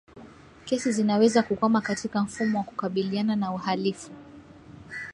Kesi zinaweza kukwama katika mfumo wa kukabiliana na uhalifu